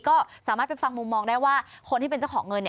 ก็สามารถไปฟังมุมมองได้ว่าคนที่เป็นเจ้าของเงิน